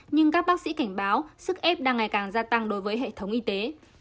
nhưng các bác sĩ cảnh báo sức ép đang ngày càng gia tăng đối với hệ thống y tế